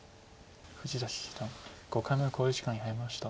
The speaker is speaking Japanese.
富士田七段５回目の考慮時間に入りました。